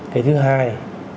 cái thứ hai